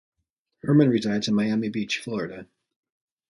Herman resides in Miami Beach, Florida.